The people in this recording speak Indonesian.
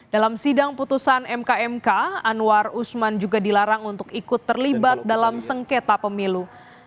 dalam sidang putusan mkmk anwar usman juga dilarang untuk ikut terlibat dalam sengketa pemilu